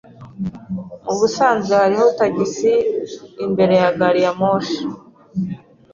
Mubusanzwe hariho tagisi imbere ya gariyamoshi.